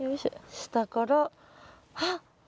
下からあっ！